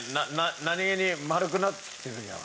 何げに丸くなってきてるじゃん。